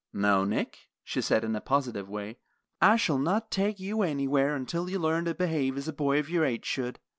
"No, Nick," she said, in a positive way, "I shall not take you anywhere until you learn to behave as a boy of your age should.